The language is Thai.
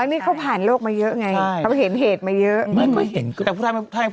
นี่เขาผ่านโลกมาเยอะไง